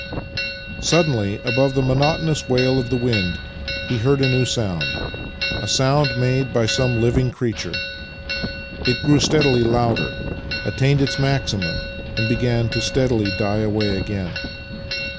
Suddenly, above the monotonous wail of the wind he heard a new sound — a sound made by some living creature. It grew steadily louder, attained its maximum, and began as steadily to die away again.